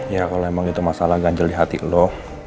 ya kalau memang itu masalah ganjel di hati lo